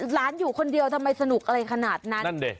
หลานอยู่คนเดียวทำไมสนุกอะไรขนาดนั้นดิ